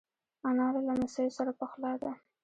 انا له لمسیو سره پخلا ده